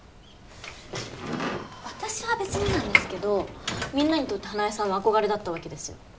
私は別になんですけどみんなにとって花枝さんは憧れだったわけですよ